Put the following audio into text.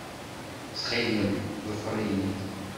Ttxil-m, ḍfer-iyi-d.